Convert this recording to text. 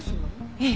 ええ。